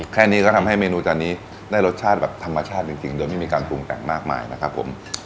แค่นี้ก็ทำให้เมนูจานนี้ได้รสชาติแบบธรรมชาติจริงโดยไม่มีการปรุงแต่งมากมายนะครับผม